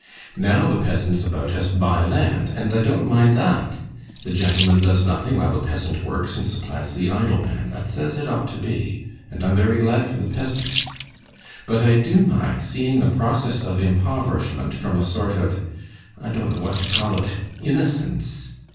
Now the peasants about us buy land, and I don't mind that. The gentleman does nothing, while the peasant works and supplants the idle man. That's as it ought to be. And I'm very glad for the peasant. But I do mind seeing the process of impoverishment from a sort of—I don't know what to call it—innocence.